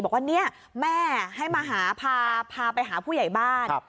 บอกว่าเนี่ยแม่ให้มาหาพาไปหาผู้ใหญ่บ้าน